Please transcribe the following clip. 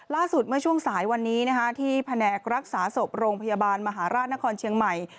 ล่าสุดเมื่อช่วงสายวันนี้ที่แผนกรักษาศพโรงพยาบาลมหาราชนครเชียงใหม่